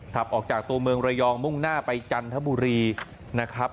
ขับออกจากตัวเมืองระยองมุ่งหน้าไปจันทบุรีนะครับ